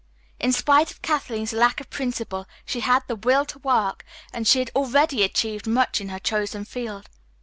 In spite of Kathleen's lack of principle, she had the will to work, and she had already achieved much in her chosen field.